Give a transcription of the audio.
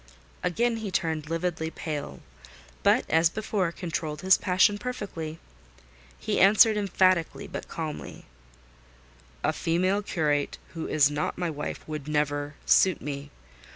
Again he turned lividly pale; but, as before, controlled his passion perfectly. He answered emphatically but calmly— "A female curate, who is not my wife, would never suit me.